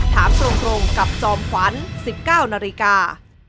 ถามตรงกับจอมขวัญ๑๙นาฬิกา